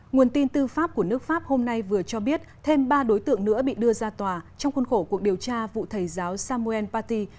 nguồn tin tư pháp của nước pháp hôm nay vừa cho biết thêm ba đối tượng nữa bị đưa ra tòa trong khuôn khổ cuộc điều tra vụ thầy giáo samuel paty